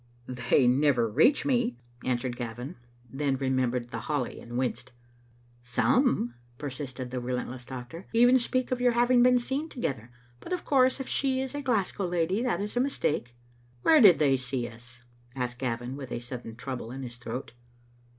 "They never reach me, answered Gavin, then re membered the holly and winced. "Some," persisted the relentless doctor, "even speak of your having been seen together; but of course, if she is a Glasgow lady, that is a mistake." ." Where did they see us?" asked Gavin, with a sudden trouble in his throat.